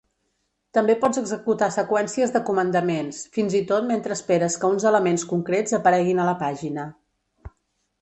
També pots executar seqüències de comandaments, fins hi tot mentre esperes que uns elements concrets apareguin a la pàgina.